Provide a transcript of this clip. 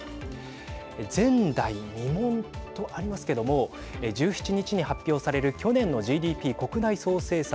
前代未聞とありますけども１７日に発表される去年のＧＤＰ＝国内総生産。